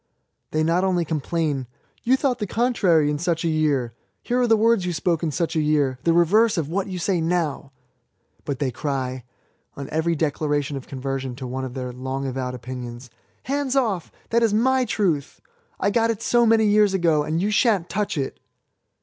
They not only complain —^^ You thought the contrary in such a year !"'^ Here are the words you spoke in such a year ; the reverse of what you say now !but they cry, on every declaration of conversion to one of their long avowed opinions, ''Hands off! that i is my truth ; I got it so many years ago, and you { shan't touch it